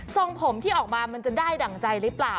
ส่งผมที่ออกมามันจะได้ดั่งใจหรือเปล่า